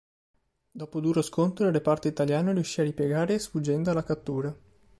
Dopo duro scontro il reparto italiano riuscì a ripiegare sfuggendo alla cattura.